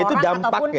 itu dampak ya